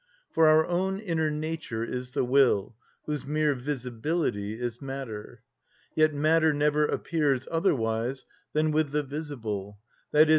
For our own inner nature is the will, whose mere visibility is matter. Yet matter never appears otherwise than with the visible, _i.e.